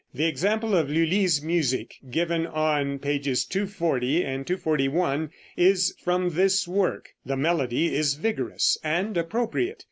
The example of Lulli's music given on pages 240 and 241 is from this work. The melody is vigorous and appropriate.